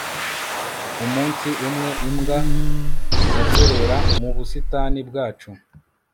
umunsi umwe, imbwa yazerera mu busitani bwacu